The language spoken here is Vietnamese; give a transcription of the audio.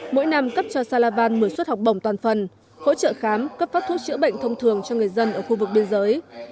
mỗi năm cấp cho salavan một mươi suất học bổng toàn phần hỗ trợ khám cấp phát thuốc chữa bệnh thông thường cho người dân ở khu vực biên giới